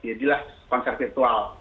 jadi lah konser virtual